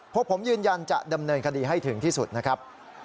พวกผมยืนยันจะดำเนินคดีให้ถึงที่สุดนะครับ